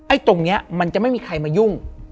ตรงนี้มันจะไม่มีใครมายุ่ง